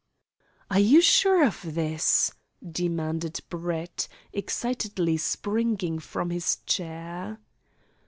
"Are you sure of this?" demanded Brett, excitedly springing from his chair.